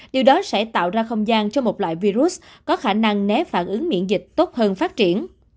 điều đó sẽ tạo ra không gian cho một loại virus có khả năng né phản ứng miễn dịch tốt hơn phát triển